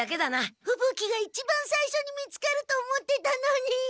ふぶ鬼が一番さいしょに見つかると思ってたのに。